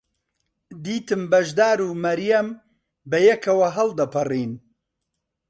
دیتم بەشدار و مەریەم بەیەکەوە هەڵدەپەڕین.